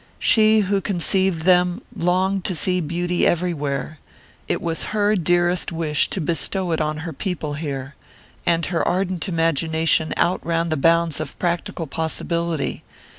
She who conceived them longed to see beauty everywhere it was her dearest wish to bestow it on her people here. And her ardent imagination outran the bounds of practical possibility.